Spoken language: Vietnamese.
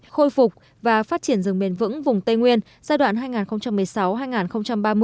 khôi phục và phát triển rừng bền vững vùng tây nguyên giai đoạn hai nghìn một mươi sáu hai nghìn ba mươi